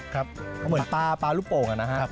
เหมือนปลาปลารูปโป่งอ่ะนะฮะครับครับ